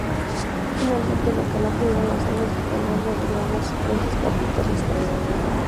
Finalmente lo que no pudieron hacer los españoles lo lograron las empresas capitalistas.